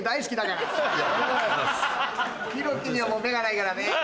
色気にはもう目がないからね。